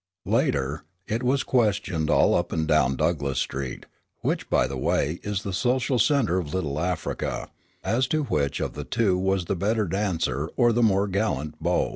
Later, it was questioned all up and down Douglass Street, which, by the way, is the social centre of Little Africa as to which of the two was the better dancer or the more gallant beau.